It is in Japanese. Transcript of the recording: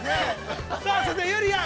さあそしてゆりやん。